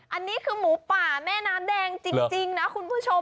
อันนี้คือหมูป่าแม่น้ำแดงจริงนะคุณผู้ชม